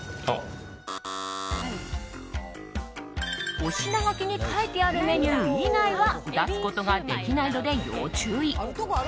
お品書きに書いてあるメニュー以外は出すことができないので要注意。